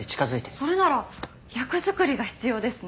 それなら役作りが必要ですね。